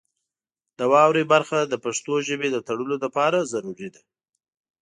د واورئ برخه د پښتو ژبې د تړلو لپاره ضروري ده.